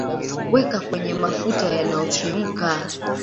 Weka kwenye mafuta yanayochemka